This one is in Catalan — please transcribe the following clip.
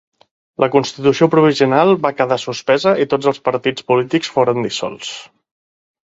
La constitució provisional va quedar suspesa i tots els partits polítics foren dissolts.